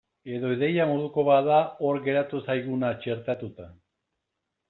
Edo ideia moduko bat da hor geratu zaiguna txertatuta.